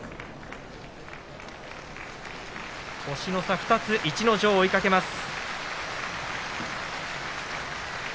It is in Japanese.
星の差２つ、逸ノ城を追いかけます。